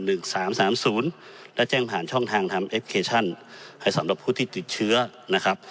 หนึ่งสามสามศูนย์และแจ้งผ่านช่องทางให้สำหรับผู้ที่ติดเชื้อนะครับ